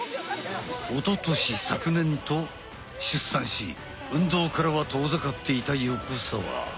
おととし昨年と出産し運動からは遠ざかっていた横澤。